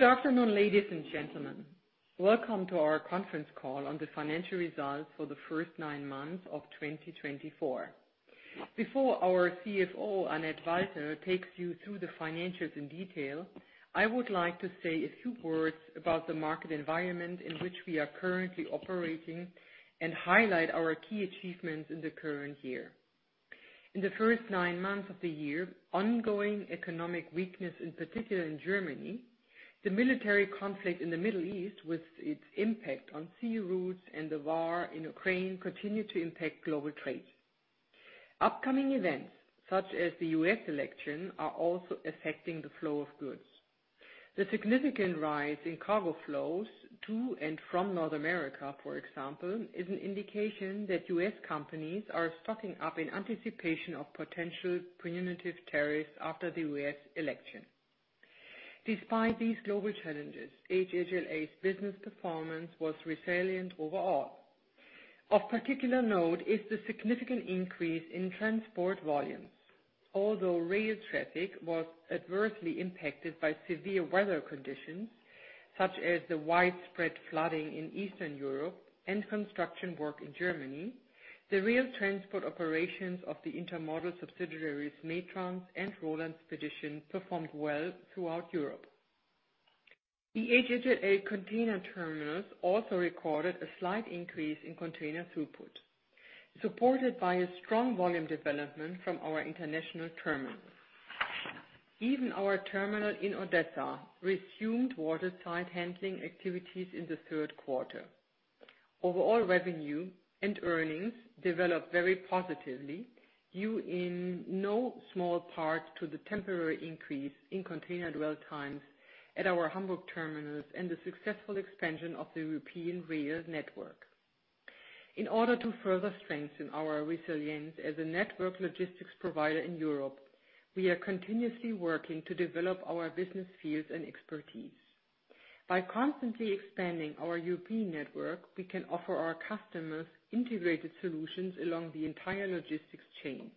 Good afternoon, ladies and gentlemen. Welcome to our conference call on the financial results for the first nine months of 2024. Before our CFO, Annette Walter, takes you through the financials in detail, I would like to say a few words about the market environment in which we are currently operating and highlight our key achievements in the current year. In the first nine months of the year, ongoing economic weakness, in particular in Germany, the military conflict in the Middle East with its impact on sea routes and the war in Ukraine continue to impact global trade. Upcoming events, such as the U.S. election, are also affecting the flow of goods. The significant rise in cargo flows to and from North America, for example, is an indication that U.S. companies are stocking up in anticipation of potential punitive tariffs after the U.S. election. Despite these global challenges, HHLA's business performance was resilient overall. Of particular note is the significant increase in transport volumes. Although rail traffic was adversely impacted by severe weather conditions, such as the widespread flooding in Eastern Europe and construction work in Germany, the rail transport operations of the intermodal subsidiaries METRANS and Roland Spedition performed well throughout Europe. The HHLA container terminals also recorded a slight increase in container throughput, supported by a strong volume development from our international terminals. Even our terminal in Odessa resumed seaborne handling activities in the third quarter. Overall revenue and earnings developed very positively, due in no small part to the temporary increase in container dwell times at our Hamburg terminals and the successful expansion of the European rail network. In order to further strengthen our resilience as a network logistics provider in Europe, we are continuously working to develop our business fields and expertise. By constantly expanding our European network, we can offer our customers integrated solutions along the entire logistics chain.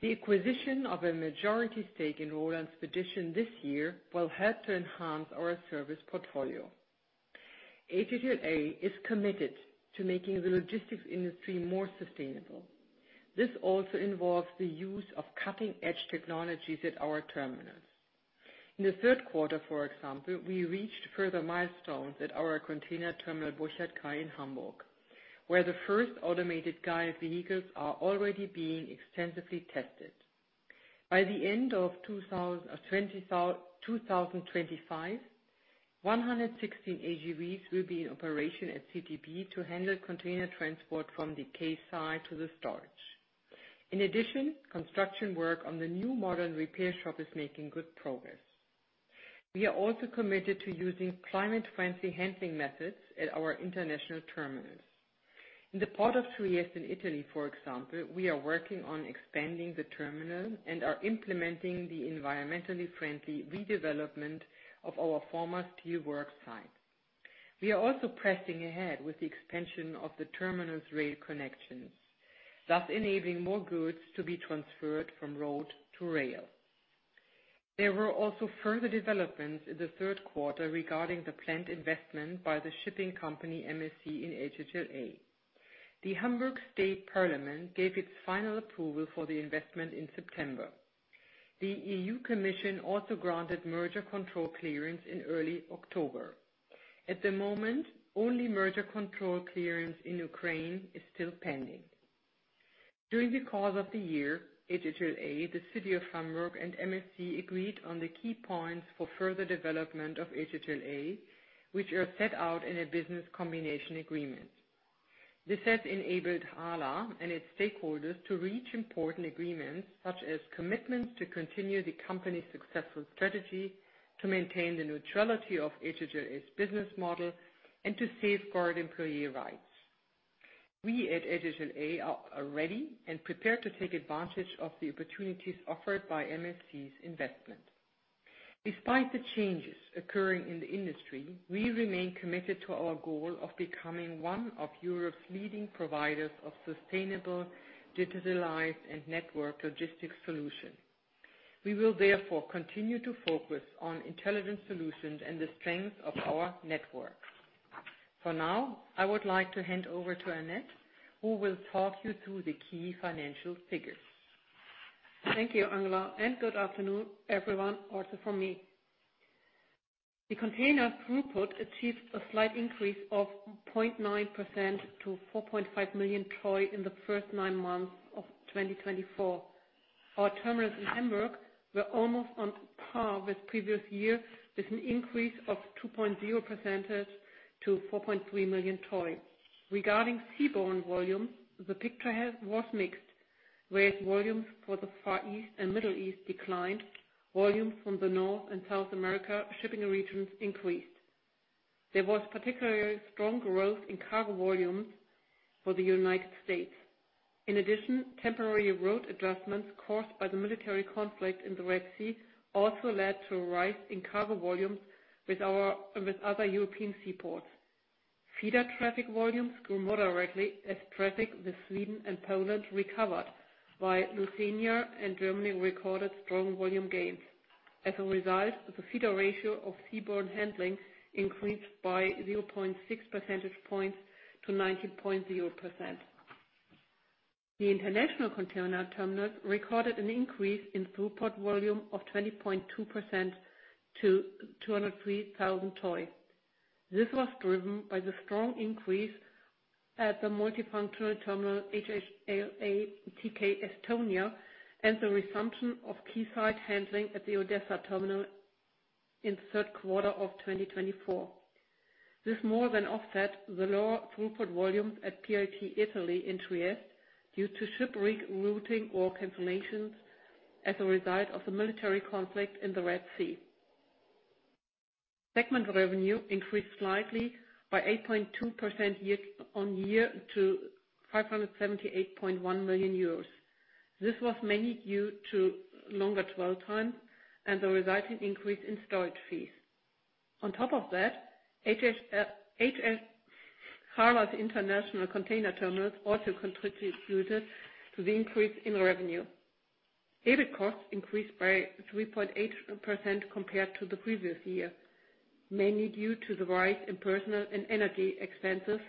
The acquisition of a majority stake in Roland Spedition this year will help to enhance our service portfolio. HHLA is committed to making the logistics industry more sustainable. This also involves the use of cutting-edge technologies at our terminals. In the third quarter, for example, we reached further milestones at our Container Terminal Burchardkai in Hamburg, where the first automated guided vehicles are already being extensively tested. By the end of 2025, 116 AGVs will be in operation at CTB to handle container transport from the quayside to the storage. In addition, construction work on the new modern repair shop is making good progress. We are also committed to using climate-friendly handling methods at our international terminals. In the port of Trieste in Italy, for example, we are working on expanding the terminal and are implementing the environmentally friendly redevelopment of our former steelworks site. We are also pressing ahead with the expansion of the terminal's rail connections, thus enabling more goods to be transferred from road to rail. There were also further developments in the third quarter regarding the planned investment by the shipping company MSC in HHLA. The Hamburg State Parliament gave its final approval for the investment in September. The European Commission also granted merger control clearance in early October. At the moment, only merger control clearance in Ukraine is still pending. During the course of the year, HHLA, the City of Hamburg, and MSC agreed on the key points for further development of HHLA, which are set out in a business combination agreement. This has enabled HHLA and its stakeholders to reach important agreements, such as commitments to continue the company's successful strategy, to maintain the neutrality of HHLA's business model, and to safeguard employee rights. We at HHLA are ready and prepared to take advantage of the opportunities offered by MSC's investment. Despite the changes occurring in the industry, we remain committed to our goal of becoming one of Europe's leading providers of sustainable, digitalized, and network logistics solutions. We will therefore continue to focus on intelligent solutions and the strength of our network. For now, I would like to hand over to Annette, who will talk you through the key financial figures. Thank you, Angela, and good afternoon, everyone, also from me. The container throughput achieved a slight increase of 0.9% to 4.5 million TEU in the first nine months of 2024. Our terminals in Hamburg were almost on par with the previous year, with an increase of 2.0% to 4.3 million TEU. Regarding seaborne volumes, the picture was mixed, whereas volumes for the Far East and Middle East declined, volumes from the North and South America shipping regions increased. There was particularly strong growth in cargo volumes for the United States. In addition, temporary route adjustments caused by the military conflict in the Red Sea also led to a rise in cargo volumes with other European seaports. Feeder traffic volumes grew more directly as traffic with Sweden and Poland recovered, while Lithuania and Germany recorded strong volume gains. As a result, the feeder ratio of seaborne handling increased by 0.6 percentage points to 19.0%. The international container terminals recorded an increase in throughput volume of 20.2% to 203,000 TEU. This was driven by the strong increase at the multifunctional terminal HHLA TK Estonia and the resumption of quayside handling at the Odessa terminal in the third quarter of 2024. This more than offset the lower throughput volumes at PLT Italy in Trieste due to ship routing or cancellations as a result of the military conflict in the Red Sea. Segment revenue increased slightly by 8.2% year-on-year to 578.1 million euros. This was mainly due to longer dwell times and the resulting increase in storage fees. On top of that, HHLA's international container terminals also contributed to the increase in revenue. EBIT costs increased by 3.8% compared to the previous year, mainly due to the rise in personnel and energy expenses,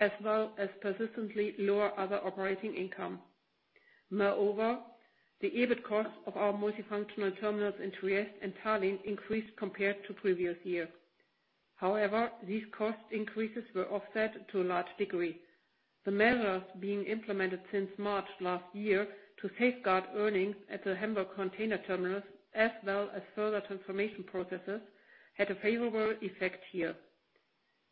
as well as persistently lower other operating income. Moreover, the EBIT costs of our multifunctional terminals in Trieste and Tallinn increased compared to the previous year. However, these cost increases were offset to a large degree. The measures being implemented since March last year to safeguard earnings at the Hamburg container terminals, as well as further transformation processes, had a favorable effect here.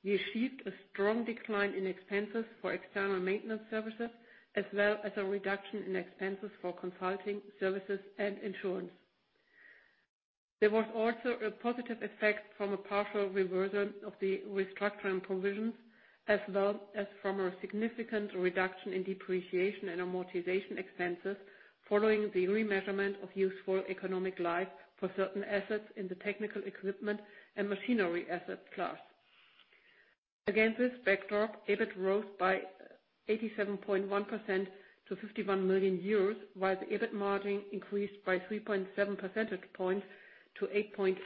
We achieved a strong decline in expenses for external maintenance services, as well as a reduction in expenses for consulting services and insurance. There was also a positive effect from a partial reversal of the restructuring provisions, as well as from a significant reduction in depreciation and amortization expenses following the remeasurement of useful economic life for certain assets in the technical equipment and machinery asset class. Against this backdrop, EBIT rose by 87.1% to 51 million euros, while the EBIT margin increased by 3.7 percentage points to 8.8%.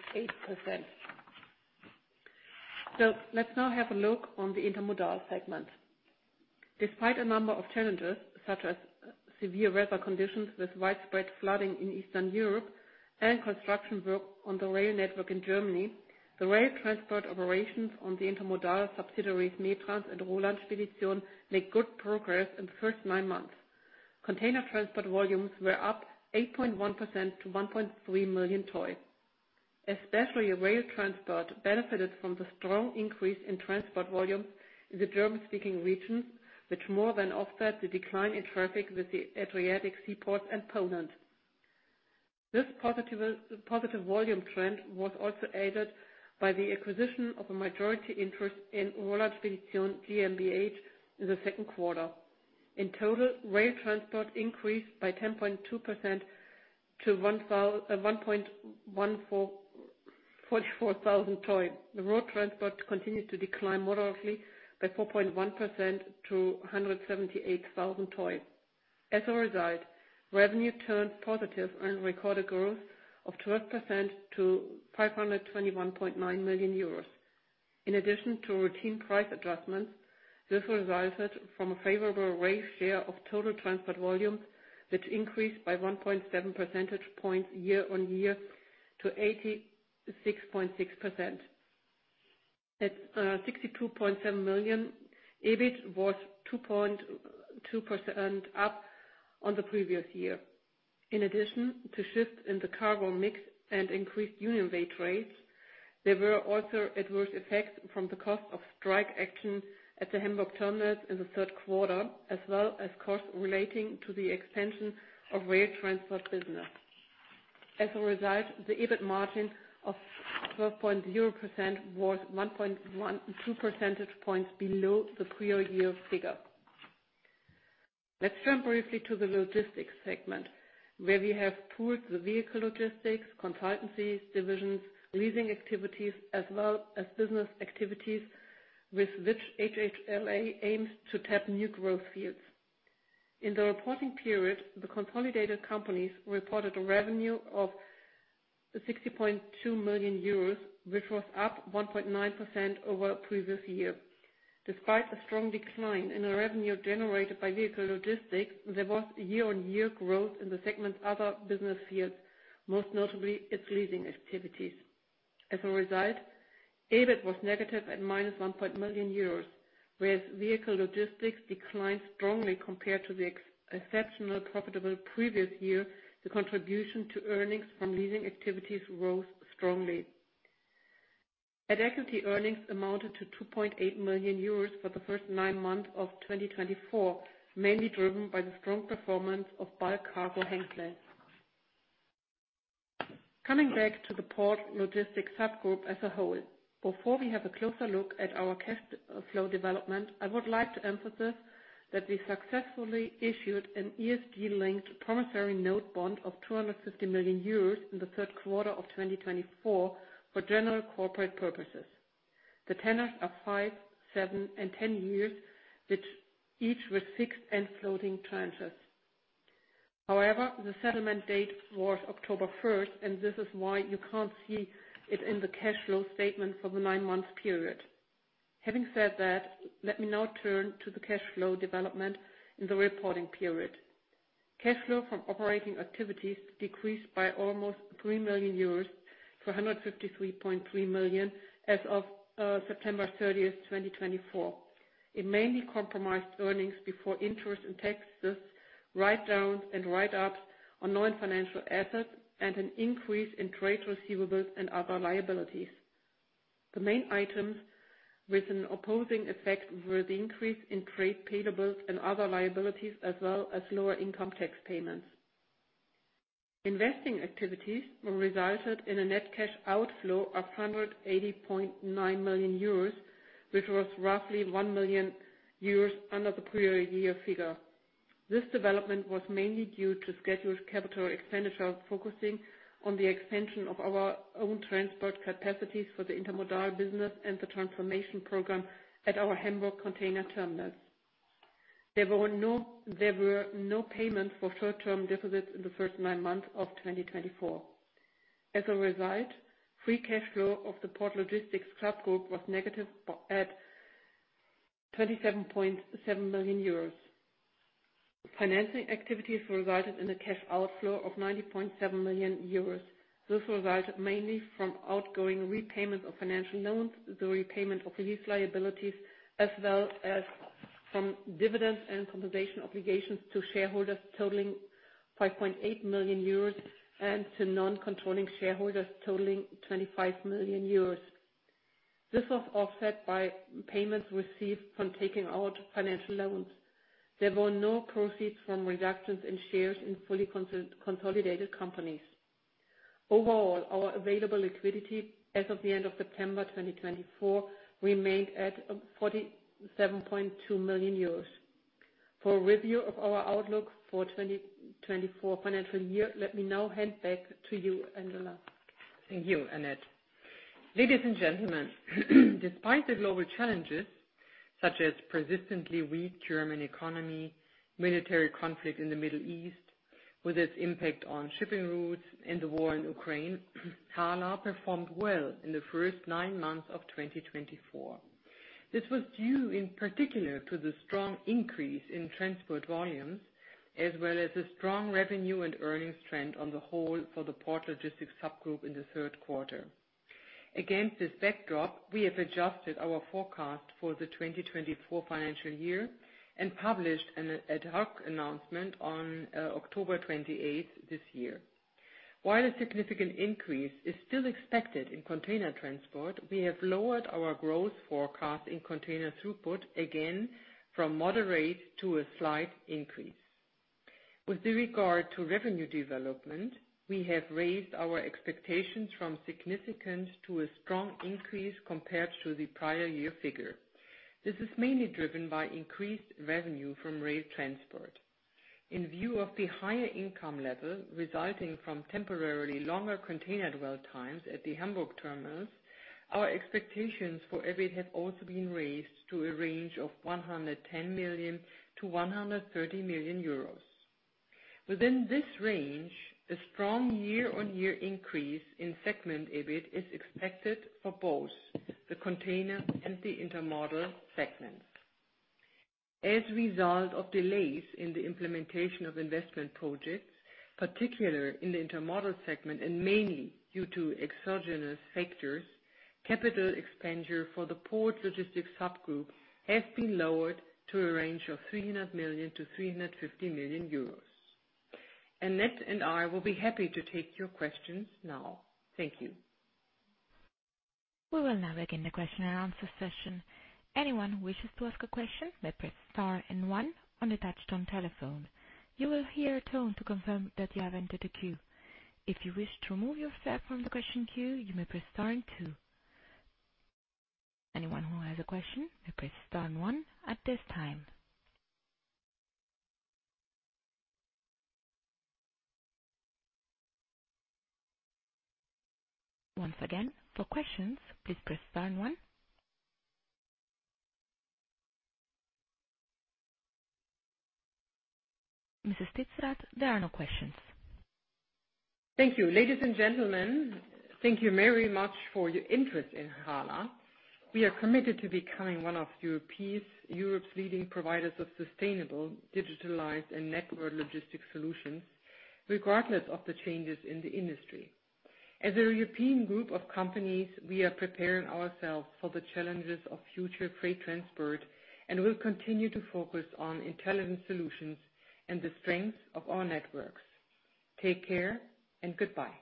Let's now have a look on the intermodal segment. Despite a number of challenges, such as severe weather conditions with widespread flooding in Eastern Europe and construction work on the rail network in Germany, the rail transport operations on the intermodal subsidiaries METRANS and Roland Spedition made good progress in the first nine months. Container transport volumes were up 8.1% to 1.3 million TEU. Especially rail transport benefited from the strong increase in transport volumes in the German-speaking regions, which more than offset the decline in traffic with the Adriatic seaports and Poland. This positive volume trend was also aided by the acquisition of a majority interest in Roland Spedition GmbH in the second quarter. In total, rail transport increased by 10.2% to 1,144,000 TEU. Road transport continued to decline moderately by 4.1% to 178,000 TEU. As a result, revenue turned positive and recorded growth of 12% to 521.9 million euros. In addition to routine price adjustments, this resulted from a favorable rail share of total transport volumes, which increased by 1.7 percentage points year-on-year to 86.6%. At 62.7 million, EBIT was 2.2% up on the previous year. In addition to shifts in the cargo mix and increased utilization rates, there were also adverse effects from the cost of strike action at the Hamburg terminals in the third quarter, as well as costs relating to the expansion of rail transport business. As a result, the EBIT margin of 12.0% was 1.2 percentage points below the prior year figure. Let's turn briefly to the logistics segment, where we have pulled the vehicle logistics, consultancy divisions, leasing activities, as well as business activities, with which HHLA aims to tap new growth fields. In the reporting period, the consolidated companies reported a revenue of 60.2 million euros, which was up 1.9% over the previous year. Despite a strong decline in the revenue generated by vehicle logistics, there was year-on-year growth in the segment's other business fields, most notably its leasing activities. As a result, EBIT was negative at minus 1.1 million euros, whereas vehicle logistics declined strongly compared to the exceptionally profitable previous year. The contribution to earnings from leasing activities rose strongly. At-equity earnings amounted to 2.8 million euros for the first nine months of 2024, mainly driven by the strong performance of bulk cargo handling. Coming back to the Port Logistics subgroup as a whole, before we have a closer look at our cash flow development, I would like to emphasize that we successfully issued an ESG-linked promissory note bond of 250 million euros in the third quarter of 2024 for general corporate purposes. The tenors are five, seven, and 10 years, which each with fixed and floating tranches. However, the settlement date was October 1st, and this is why you can't see it in the cash flow statement for the nine-month period. Having said that, let me now turn to the cash flow development in the reporting period. Cash flow from operating activities decreased by almost 3 million euros to 153.3 million as of September 30th, 2024. It mainly comprised earnings before interest and taxes, write-downs and write-ups on non-financial assets, and an increase in trade receivables and other liabilities. The main items with an opposing effect were the increase in trade payables and other liabilities, as well as lower income tax payments. Investing activities resulted in a net cash outflow of 180.9 million euros, which was roughly one million euros under the prior year figure. This development was mainly due to scheduled capital expenditure focusing on the expansion of our own transport capacities for the intermodal business and the transformation program at our Hamburg container terminals. There were no payments for short-term deposits in the first nine months of 2024. As a result, free cash flow of the Port Logistics subgroup was negative at 27.7 million euros. Financing activities resulted in a cash outflow of 90.7 million euros. This resulted mainly from outgoing repayments of financial loans, the repayment of lease liabilities, as well as from dividends and compensation obligations to shareholders totaling 5.8 million euros and to non-controlling shareholders totaling 25 million euros. This was offset by payments received from taking out financial loans. There were no proceeds from reductions in shares in fully consolidated companies. Overall, our available liquidity as of the end of September 2024 remained at 47.2 million euros. For a review of our outlook for the 2024 financial year, let me now hand back to you, Angela. Thank you, Annette. Ladies and gentlemen, despite the global challenges, such as the persistently weak German economy, military conflict in the Middle East, with its impact on shipping routes, and the war in Ukraine, HHLA performed well in the first nine months of 2024. This was due in particular to the strong increase in transport volumes, as well as the strong revenue and earnings trend on the whole for the Port Logistics subgroup in the third quarter. Against this backdrop, we have adjusted our forecast for the 2024 financial year and published an ad hoc announcement on October 28th this year. While a significant increase is still expected in container transport, we have lowered our growth forecast in container throughput again from moderate to a slight increase. With regard to revenue development, we have raised our expectations from significant to a strong increase compared to the prior year figure. This is mainly driven by increased revenue from rail transport. In view of the higher income level resulting from temporarily longer container dwell times at the Hamburg terminals, our expectations for EBIT have also been raised to a range of 110 million-130 million euros. Within this range, a strong year-on-year increase in segment EBIT is expected for both the container and the intermodal segments. As a result of delays in the implementation of investment projects, particularly in the intermodal segment and mainly due to exogenous factors, capital expenditure for the Port Logistics subgroup has been lowered to a range of 300 million-350 million euros. Annette and I will be happy to take your questions now. Thank you. We will now begin the question and answer session. Anyone who wishes to ask a question may press star and one on the touch-tone telephone. You will hear a tone to confirm that you have entered the queue. If you wish to remove yourself from the question queue, you may press star and two. Anyone who has a question may press star and one at this time. Once again, for questions, please press star and one. Mrs. Titzrath, there are no questions. Thank you. Ladies and gentlemen, thank you very much for your interest in HHLA. We are committed to becoming one of Europe's leading providers of sustainable, digitalized, and network logistics solutions, regardless of the changes in the industry. As a European group of companies, we are preparing ourselves for the challenges of future freight transport and will continue to focus on intelligent solutions and the strengths of our networks. Take care and goodbye.